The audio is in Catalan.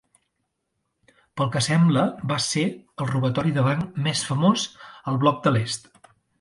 Pel que sembla va ser el robatori de banc més famós al Bloc de l'Est.